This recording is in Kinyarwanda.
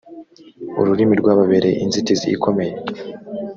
ururimi rwababereye inzitizi ikomeye